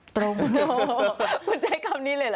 คุณจะให้คำนี้เลยหรอ